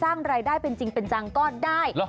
สร้างรายได้เป็นจริงเป็นจังก็ได้